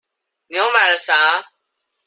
你又買了啥？